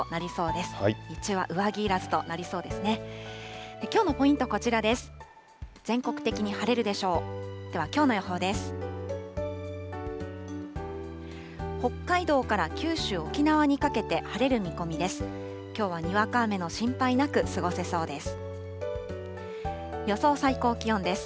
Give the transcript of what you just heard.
ではきょうの予報です。